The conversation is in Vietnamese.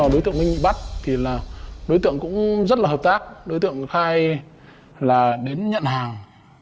đối tượng minh bị bắt đối tượng cũng rất là hợp tác đối tượng khai là đến nhận hàng